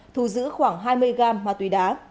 thu giữ khoảng hai mươi gram ma túy đá